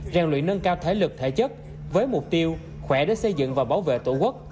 rèn luyện nâng cao thể lực thể chất với mục tiêu khỏe để xây dựng và bảo vệ tổ quốc